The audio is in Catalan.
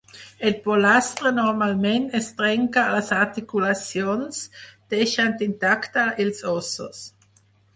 El pollastre normalment es trenca a les articulacions, deixant intacte els ossos.